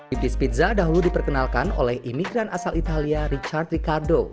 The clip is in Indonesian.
iblis pizza dahulu diperkenalkan oleh imigran asal italia richard ricardo